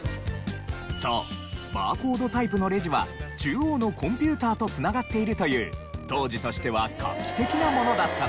そうバーコードタイプのレジは中央のコンピューターと繋がっているという当時としては画期的なものだったのです。